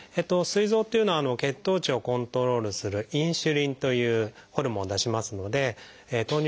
すい臓っていうのは血糖値をコントロールするインスリンというホルモンを出しますので糖尿病とは非常に深く関わってます。